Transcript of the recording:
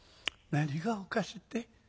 何がおかしいって？